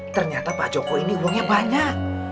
ternyata pak joko ini uangnya banyak